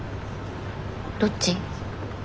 どっち？